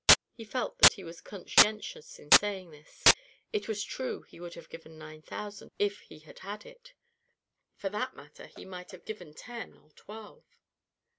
He felt that he was conscientious in saying this. It was true he would have given nine thousand if he had had it. For that matter he might have given ten or twelve.